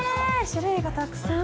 種類がたくさん。